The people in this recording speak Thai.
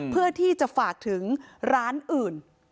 เพื่อที่จะฝากถึงร้านอื่น